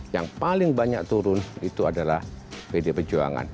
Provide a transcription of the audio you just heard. yang paling banyak turun itu adalah pdi perjuangan